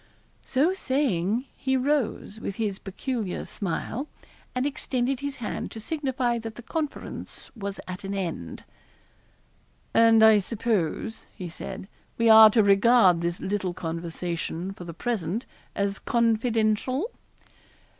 So saying, he rose, with his peculiar smile, and extended his hand to signify that the conference was at an end. 'And I suppose,' he said, 'we are to regard this little conversation, for the present, as confidential?'